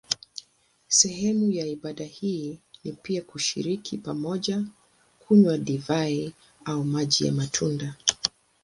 Sehemu ya ibada hii ni pia kushiriki pamoja kunywa divai au maji ya matunda.